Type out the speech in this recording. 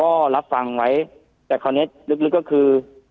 ก็รับฟังไว้แต่คราวนี้ลึกก็คือ